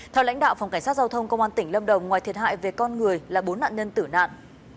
theo lãnh đạo phòng cảnh sát giao thông công an tỉnh lâm đồng ngoài thiệt hại về con người là bốn nạn nhân tử nạn